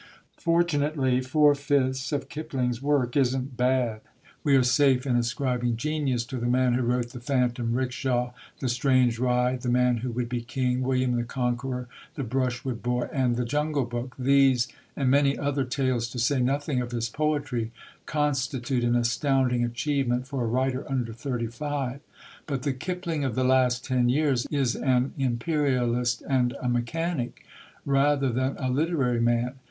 Fortunately, four fifths of Kipling's work isn't bad. We are safe in ascribing genius to the man who wrote The Phantom 'Rickshaw, The Strange Ride, The Man Who Would Be King, William the Conqueror, The Brushwood Boy, and The Jungle Book. These, and many other tales, to say nothing of his poetry, constitute an astounding achievement for a writer under thirty five. But the Kipling of the last ten years is an Imperialist and a Mechanic, rather than a literary man.